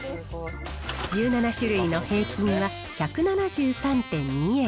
１７種類の平均は１７３．２円。